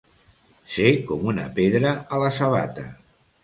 Ser com una pedra a la sabata.